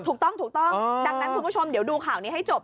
ถูกต้องถูกต้องดังนั้นคุณผู้ชมเดี๋ยวดูข่าวนี้ให้จบ